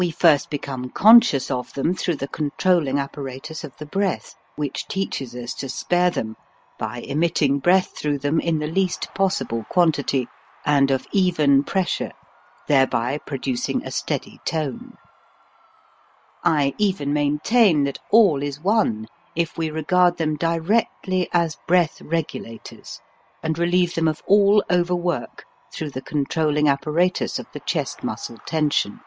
We first become conscious of them through the controlling apparatus of the breath, which teaches us to spare them, by emitting breath through them in the least possible OF THE BREATH 31 quantity and of even pressure, thereby pro ducing a steady tone. I even maintain that all is won if we regard them directly as breath regulators, and relieve them of all overwork through the controlling apparatus of the chest muscle tension.